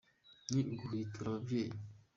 ni uguhwitura ababyeyi